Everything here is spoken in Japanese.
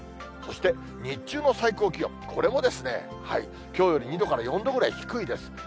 そして、日中の最高気温、これもきょうより２度から４度ぐらい低いです。